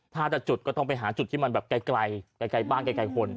ถ้าจะจุดก็ต้องไปหาจุดที่มันแบบไกลไกลบ้านไกลคน